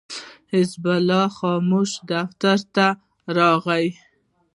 حزب الله خاموش دفتر ته راغی.